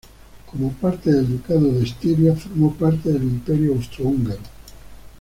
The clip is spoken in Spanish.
Como parte del ducado de Estiria formó parte del Imperio austrohúngaro.